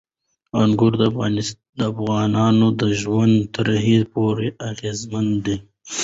انګور د افغانانو د ژوند طرز پوره اغېزمنوي.